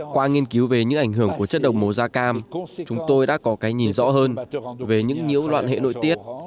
qua nghiên cứu về những ảnh hưởng của chất độc màu da cam chúng tôi đã có cái nhìn rõ hơn về những nhiễu loạn hệ nội tiết